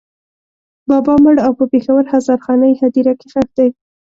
بابا مړ او په پېښور هزارخانۍ هدېره کې ښخ دی.